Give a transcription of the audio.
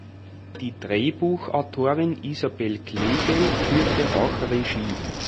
Die Drehbuchautorin Isabel Kleefeld führte auch Regie.